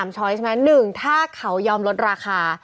ช้อยใช่ไหม๑ถ้าเขายอมลดราคา